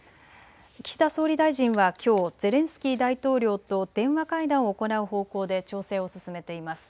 岸田総理大臣はきょう、ゼレンスキー大統領と電話会談を行う方向で調整を進めています。